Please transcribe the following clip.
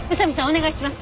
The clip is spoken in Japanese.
お願いします。